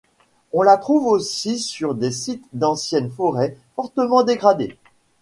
On la trouve aussi sur des sites d'anciennes forêts fortement dégradées.